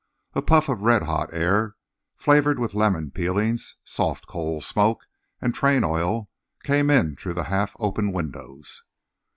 A puff of red hot air flavoured with lemon peelings, soft coal smoke and train oil came in through the half open windows.